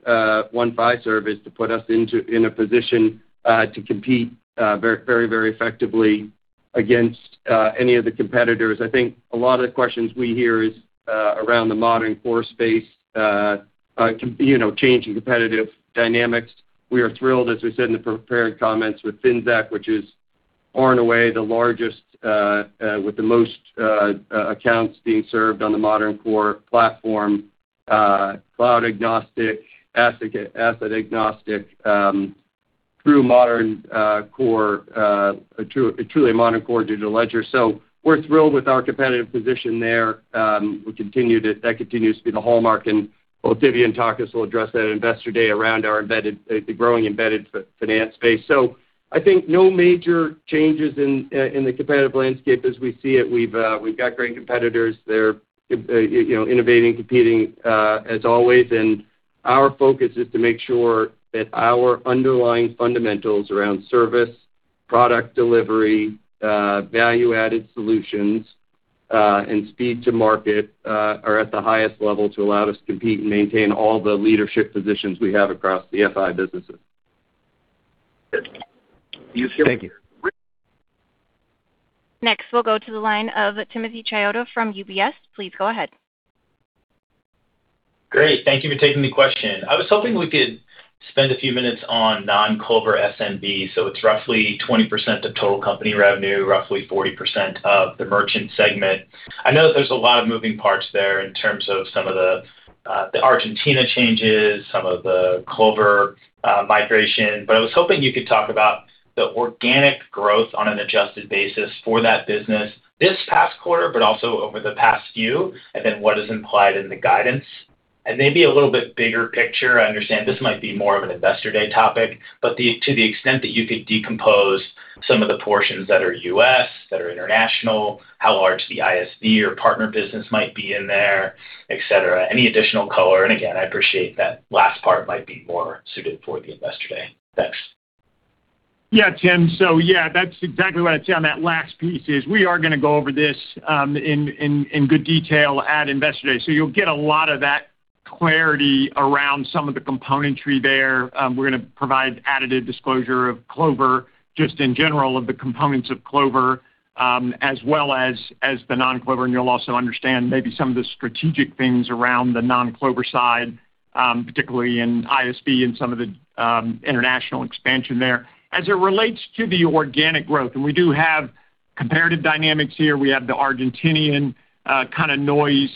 One Fiserv to put us in a position to compete very effectively against any of the competitors. I think a lot of the questions we hear is around the modern core space, you know, changing competitive dynamics. We are thrilled, as we said in the prepared comments, with Finxact, which is far and away the largest, with the most accounts being served on the modern core platform, cloud agnostic, asset agnostic, through modern core, truly modern core digital ledger. We're thrilled with our competitive position there. That continues to be the hallmark, and both Divya and Takis will address that at Investor Day around our embedded, the growing embedded finance space. I think no major changes in the competitive landscape as we see it. We've got great competitors. They're, you know, innovating, competing, as always. Our focus is to make sure that our underlying fundamentals around service, product delivery, value-added solutions, and speed to market are at the highest level to allow us to compete and maintain all the leadership positions we have across the FI businesses. Thank you. Next, we'll go to the line of Timothy Chiodo from UBS. Please go ahead. Great. Thank you for taking the question. I was hoping we could spend a few minutes on non-Clover SMB. It's roughly 20% of total company revenue, roughly 40% of the Merchant segment. I know that there's a lot of moving parts there in terms of some of the Argentina changes, some of the Clover migration. I was hoping you could talk about the organic growth on an adjusted basis for that business this past quarter, also over the past few, what is implied in the guidance. Maybe a little bit bigger picture. I understand this might be more of an Investor Day topic, to the extent that you could decompose some of the portions that are U.S., that are international, how large the ISV or partner business might be in there, et cetera. Any additional color, and again, I appreciate that last part might be more suited for the Investor Day. Thanks. Yeah, Tim. Yeah, that's exactly what I'd say on that last piece is we are gonna go over this in good detail at Investor Day. You'll get a lot of that clarity around some of the componentry there. We're gonna provide additive disclosure of Clover, just in general of the components of Clover, as well as the non-Clover. You'll also understand maybe some of the strategic things around the non-Clover side, particularly in ISV and some of the international expansion there. As it relates to the organic growth, we do have comparative dynamics here. We have the Argentinian kind of noise.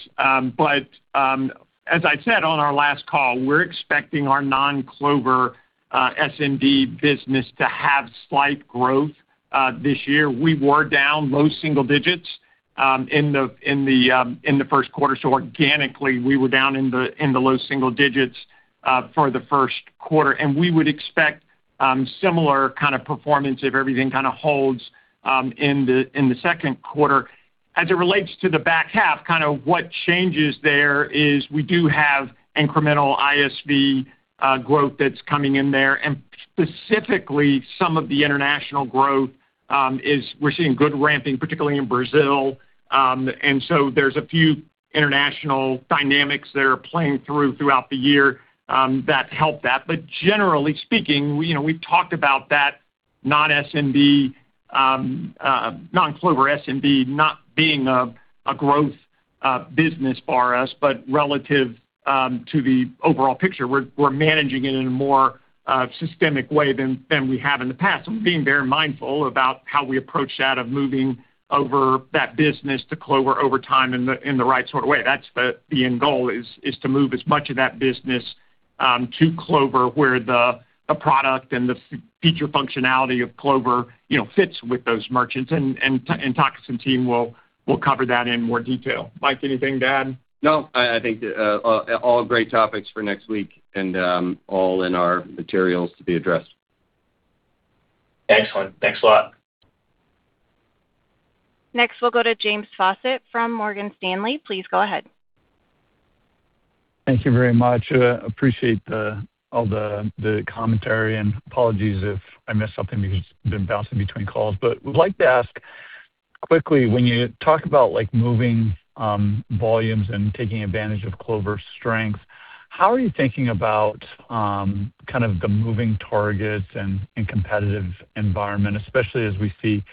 As I said on our last call, we're expecting our non-Clover SMB business to have slight growth this year. We were down low single-digits in the Q1. Organically, we were down in the low single-digits for the Q1. We would expect similar kind of performance if everything kind of holds in the Q2. As it relates to the back half, kind of what changes there is we do have incremental ISV growth that's coming in there. Specifically, some of the international growth is we're seeing good ramping, particularly in Brazil. There's a few international dynamics that are playing through throughout the year that help that. Generally speaking, you know, we've talked about that non-SMB, non-Clover SMB not being a growth business for us. Relative to the overall picture, we're managing it in a more systemic way than we have in the past and being very mindful about how we approach that of moving over that business to Clover over time in the right sort of way. That's the end goal is to move as much of that business to Clover, where the product and the feature functionality of Clover, you know, fits with those merchants. Takis and team will cover that in more detail. Mike, anything to add? No, I think, all great topics for next week and, all in our materials to be addressed. Excellent. Thanks a lot. Next, we'll go to James Faucette from Morgan Stanley. Please go ahead. Thank you very much. Appreciate all the commentary, and apologies if I missed something because I've been bouncing between calls. Would like to ask quickly when you talk about like moving volumes and taking advantage of Clover's strength, how are you thinking about kind of the moving targets and competitive environment, especially as we see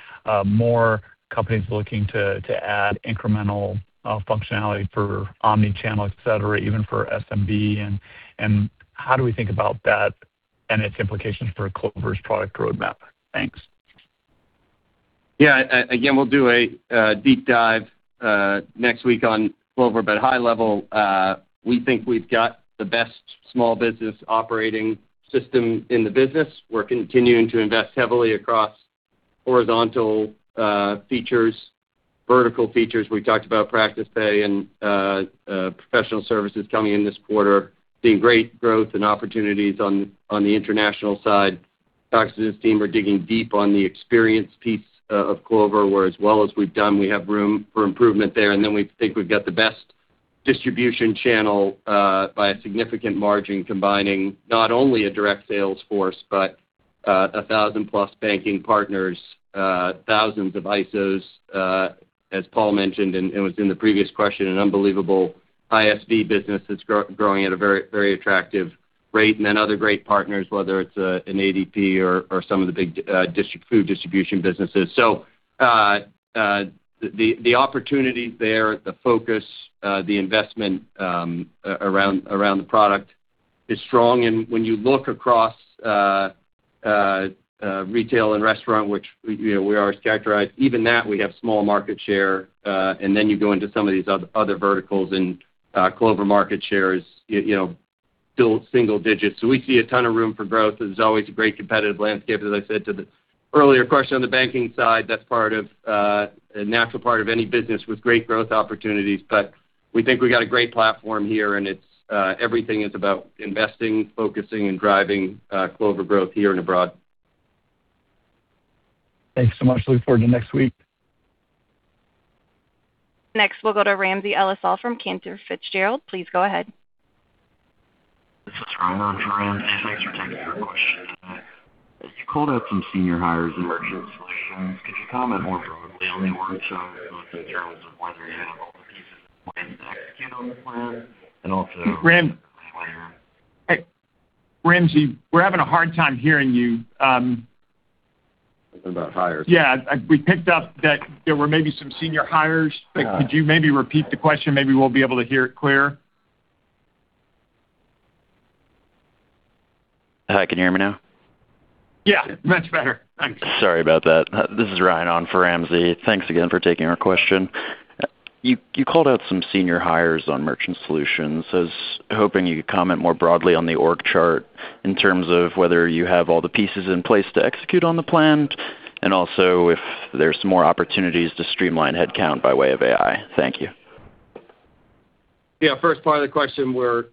more companies looking to add incremental functionality for omni-channel, et cetera, even for SMB? How do we think about that and its implications for Clover's product roadmap? Thanks. Yeah. Again, we'll do a deep dive next week on Clover. High level, we think we've got the best small business operating system in the business. We're continuing to invest heavily across horizontal features, vertical features. We talked about PracticePay and professional services coming in this quarter, seeing great growth and opportunities on the international side. Takis and his team are digging deep on the experience piece of Clover, where as well as we've done, we have room for improvement there. Then we think we've got the best distribution channel by a significant margin, combining not only a direct sales force but 1,000+ banking partners, thousands of ISOs, as Paul mentioned and was in the previous question, an unbelievable ISV business that's growing at a very, very attractive rate. Other great partners, whether it's an ADP or some of the big food distribution businesses. The opportunity there, the focus, the investment around the product is strong. When you look across retail and restaurant, which we, you know, we always characterize, even that we have small market share. You go into some of these other verticals and Clover market share is, you know, still single-digits. We see a ton of room for growth. There's always a great competitive landscape, as I said to the earlier question on the banking side. That's part of a natural part of any business with great growth opportunities. We think we got a great platform here, and it's everything is about investing, focusing, and driving Clover growth here and abroad. Thanks so much. Look forward to next week. Next, we'll go to Ramsey El-Assal from Cantor Fitzgerald. Please go ahead. This is Ryan on for Ramsey. Thanks for taking our question. You called out some senior hires in Merchant Solutions. Could you comment more broadly on the org chart in terms of whether you have all the pieces in place to execute on the plan, and also if there's more opportunities to streamline that down by way of AI. Thank you. Yeah. First part question, we're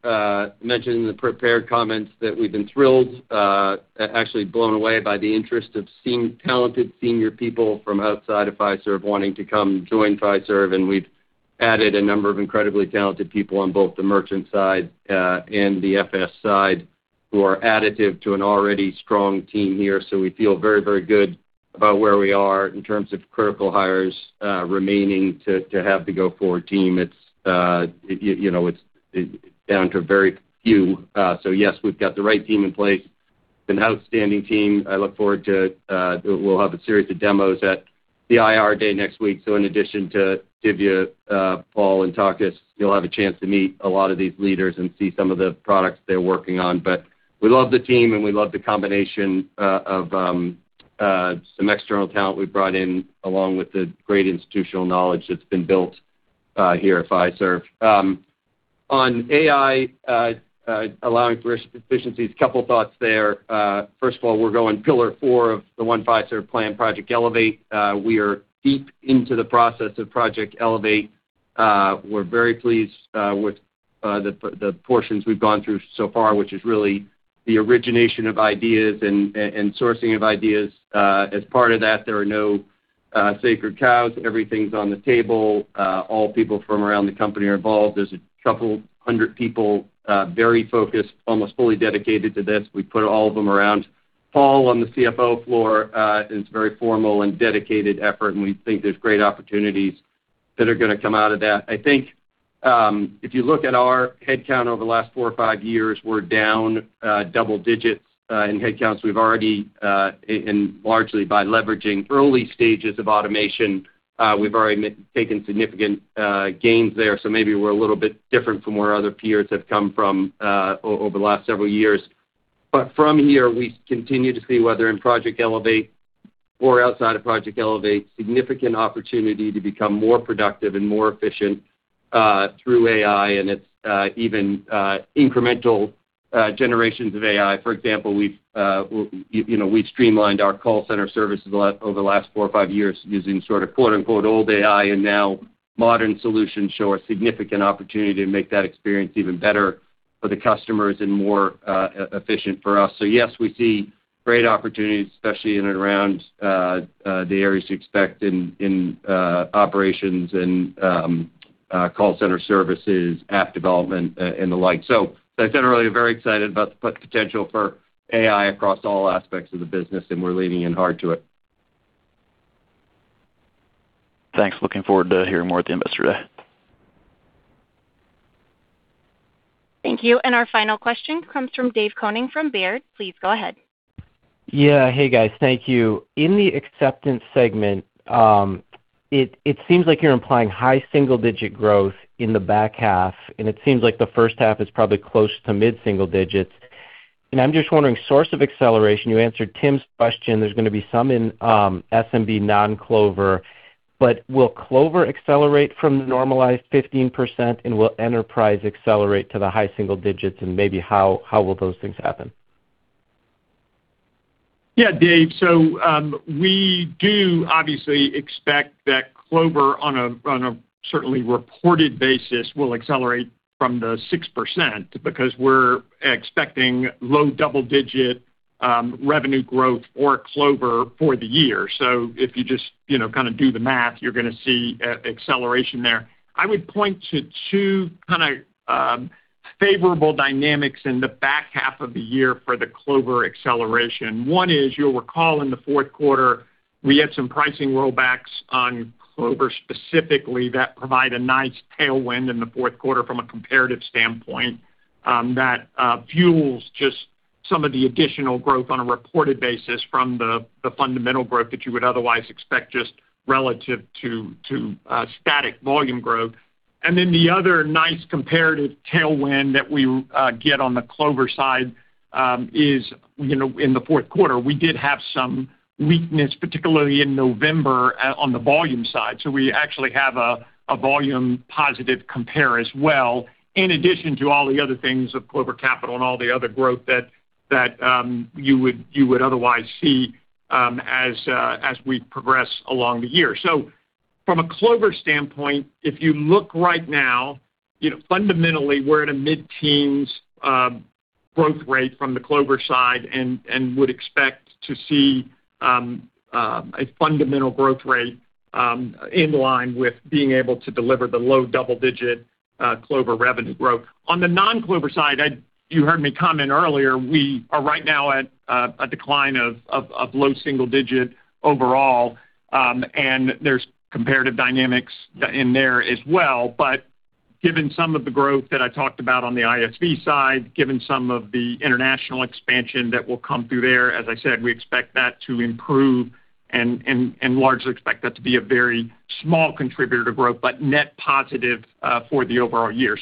mentioning the prepared comments that we've been thrilled, actually, blown away by the interest of seeing talented senior people from outside of Fiserv wanting to come join Fiserv and we've added a number of incredibly talented people on both the Merchant side and the FS side who are additive to an already strong team here. So we feel very, very good about where we are in terms of critical hires remaining to have the go forward team. It's, you know, it's down to very few. So yes, we've got the right team in place, an outstanding team I look forward to. We'll have a series of demos at the IR Day next week. So in addition to Paul and Takis, you'll have a chance to meet a chance to meet a lot of these leaders and see some of the products they're working on. But we love the team, and we love the combination of some external talent we brought in, along with the great institutional knowledge that's been built here at Fiserv on AI, allowing to risk efficiency. A couple thoughts there. First of all, we're going pillar four of the One Fiserv plan, Project Elevate. We are deep into the process of Project Elevate. We're very pleased with the portions we've gone through so far, which is really the origination of ideas and sourcing of ideas as part of that. There are no sacred cows for the customers and more efficient for us. Yes, we see great opportunities, especially in and around the areas you'd expect in operations and call center services, app development, and the like. Generally very excited about the potential for AI across all aspects of the business, and we're leaning in hard to it. Thanks. Looking forward to hearing more at the Investor Day. Thank you. Our final question comes from David Koning from Baird. Please go ahead. Yeah. Hey, guys. Thank you. In the acceptance segment, it seems like you're implying high single-digit growth in the back half, and it seems like the first half is probably close to mid-single digits. I'm just wondering, source of acceleration, you answered Tim's question, there's gonna be some in SMB non-Clover. Will Clover accelerate from the normalized 15%, and will Enterprise Merchant accelerate to the high single-digits, and maybe how will those things happen? Yeah, Dave. We do obviously expect that Clover on a certainly reported basis will accelerate from the 6% because we're expecting low double-digit revenue growth for Clover for the year. If you just, you know, kind of do the math, you're going to see e-acceleration there. I would point to two kind of favorable dynamics in the back half of the year for the Clover acceleration. One is. You'll recall in the Q4, we had some pricing rollbacks on Clover specifically that provide a nice tailwind in the Q4 from a comparative standpoint that fuels just some of the additional growth on a reported basis from the fundamental growth that you would otherwise expect just relative to static volume growth. The other nice comparative tailwind that we get on the Clover side is, you know, in the Q4, we did have some weakness, particularly in November, on the volume side. We actually have a volume positive compare as well, in addition to all the other things of Clover Capital and all the other growth that you would otherwise see as we progress along the year. From a Clover standpoint, if you look right now, you know, fundamentally, we're at a mid-teens growth rate from the Clover side and would expect to see a fundamental growth rate in line with being able to deliver the low double-digit Clover revenue growth. On the non-Clover side, you heard me comment earlier, we are right now at a decline of low single-digit overall, and there's comparative dynamics in there as well. Given some of the growth that I talked about on the ISV side, given some of the international expansion that will come through there, as I said, we expect that to improve and largely expect that to be a very small contributor to growth, but net positive for the overall year.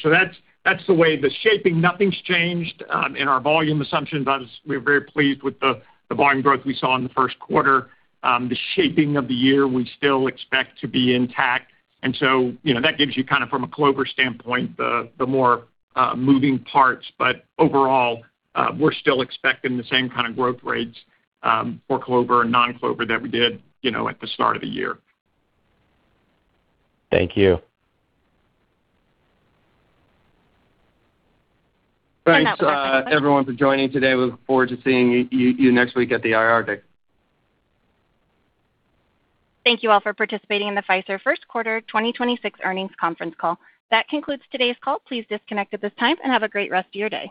That's the way the shaping. Nothing's changed in our volume assumptions. Obviously, we're very pleased with the volume growth we saw in the Q1. The shaping of the year, we still expect to be intact. You know, that gives you kind of from a Clover standpoint, the more moving parts. Overall, we're still expecting the same kind of growth rates for Clover and non-Clover that we did, you know, at the start of the year. Thank you. (crosstalk) Thanks, everyone, for joining today. We look forward to seeing you next week at the Investor Day. Thank you all for participating in the Fiserv Q1 2026 earnings conference call. That concludes today's call. Please disconnect at this time, and have a great rest of your day.